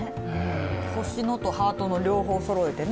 星のとハートの両方そろえてね。